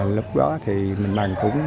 lúc đó thì mình bằng cũng